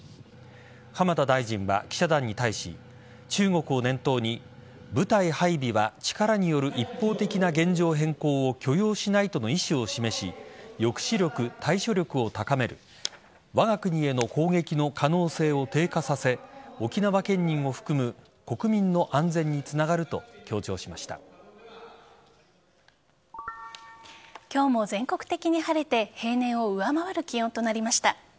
浜田大臣は記者団に対し中国を念頭に、部隊配備は力による一方的な現状変更を許容しないとの意思を示し抑止力・対処力を高めるわが国への攻撃の可能性を低下させ沖縄県民を含む国民の安全につながると今日も全国的に晴れて平年を上回る気温となりました。